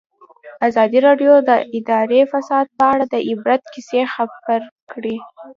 ازادي راډیو د اداري فساد په اړه د عبرت کیسې خبر کړي.